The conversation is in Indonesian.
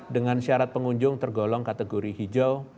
dengan syarat pengunjung tergolong kategori hijau